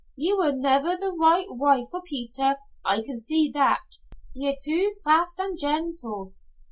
Ye were never the right wife for Peter. I can see that. Ye're too saft an' gentle."